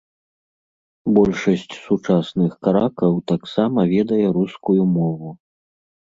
Большасць сучасных каракаў таксама ведае рускую мову.